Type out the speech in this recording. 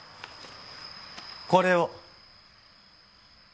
これを。